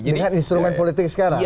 dengan instrumen politik sekarang